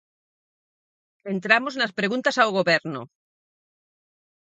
Entramos nas preguntas ao Goberno.